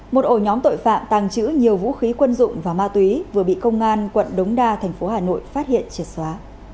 một ổ nhóm tội phạm tàng trữ nhiều vũ khí quân dụng và ma túy vừa bị công an quận đống đa thành phố hà nội phát hiện triệt xóa